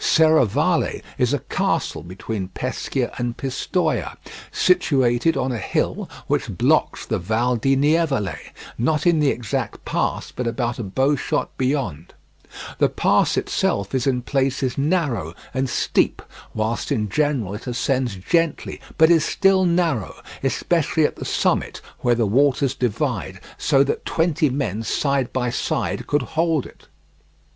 Serravalle is a castle between Pescia and Pistoia, situated on a hill which blocks the Val di Nievole, not in the exact pass, but about a bowshot beyond; the pass itself is in places narrow and steep, whilst in general it ascends gently, but is still narrow, especially at the summit where the waters divide, so that twenty men side by side could hold it.